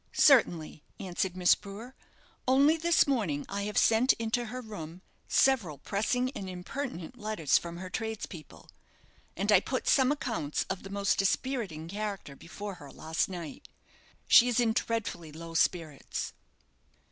"Certainly," answered Miss Brewer. "Only this morning I have sent into her room several pressing and impertinent letters from her tradespeople, and I put some accounts of the most dispiriting character before her last night. She is in dreadfully low spirits."